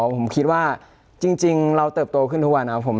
ผมคิดว่าจริงเราเติบโตขึ้นทุกวันนะครับผม